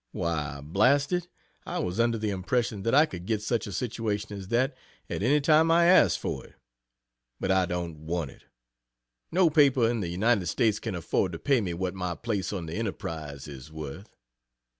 Why, blast it, I was under the impression that I could get such a situation as that any time I asked for it. But I don't want it. No paper in the United States can afford to pay me what my place on the "Enterprise" is worth.